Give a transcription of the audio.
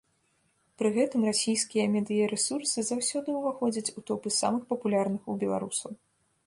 Пры гэтым расійскія медыярэсурсы заўсёды ўваходзяць у топы самых папулярных у беларусаў.